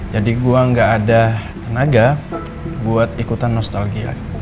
jadi gue gak ada tenaga buat ikutan nostalgia